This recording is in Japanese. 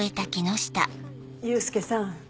裕介さん